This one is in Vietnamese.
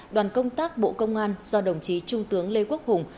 đoàn công tác bộ công an do đồng chí trung tướng lê quốc hùng